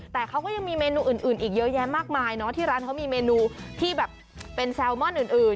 แต่เขาก็ยังมีเมนูอื่นอีกเยอะแยะมากมายเนอะที่ร้านเขามีเมนูที่แบบเป็นแซลมอนอื่น